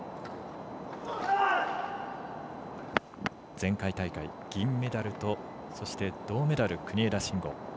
前回大会、銀メダルと銅メダルの国枝慎吾。